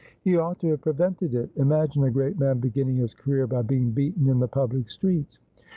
283 ' He ougtit to have prevented it. Imagine a great man beginning his career by being beaten in the public streets.'